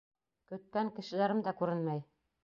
Көткән кешеләрем дә күренмәй.